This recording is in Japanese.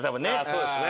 そうですね。